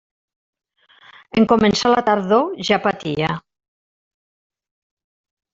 En començar la tardor ja patia.